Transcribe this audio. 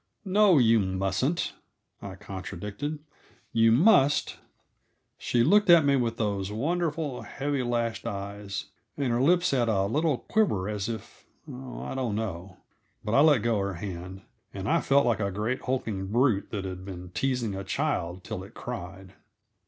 "No, you mustn't," I contradicted. "You must " She looked at me with those wonderful, heavy lashed eyes, and her lips had a little quiver as if Oh, I don't know, but I let go her hand, and I felt like a great, hulking brute that had been teasing a child till it cried.